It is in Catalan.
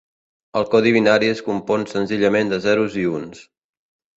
El codi binari es compon senzillament de zeros i uns.